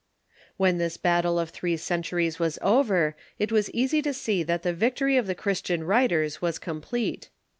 When this battle of three centuries was over it was easy to see that the victory of the Christian writers was complete.